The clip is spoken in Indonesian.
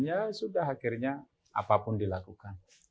ya sudah akhirnya apapun dilakukan